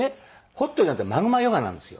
ホットじゃなくてマグマヨガなんですよ。